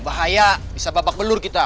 bahaya bisa babak belur kita